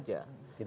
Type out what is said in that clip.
tidak masalah ya